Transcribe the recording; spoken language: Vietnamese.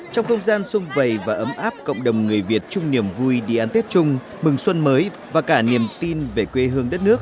trong không gian sung vầy và ấm áp cộng đồng người việt chung niềm vui đi ăn tết chung mừng xuân mới và cả niềm tin về quê hương đất nước